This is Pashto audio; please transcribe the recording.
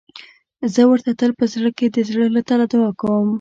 زه ورته تل په زړه کې د زړه له تله دعا کوم.